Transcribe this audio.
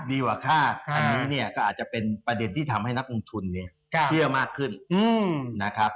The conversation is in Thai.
กว่าค่าอันนี้เนี่ยก็อาจจะเป็นประเด็นที่ทำให้นักลงทุนเนี่ยเชื่อมากขึ้นนะครับ